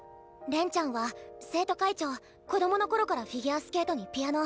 恋ちゃんは生徒会長子供の頃からフィギュアスケートにピアノ。